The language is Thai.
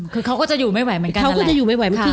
คือเขาก็จะอยู่ไม่ไหวเหมือนกัน